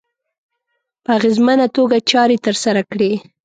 په اغېزمنه توګه چارې ترسره کړي.